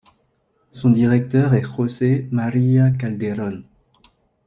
Son directeur est José María Calderón.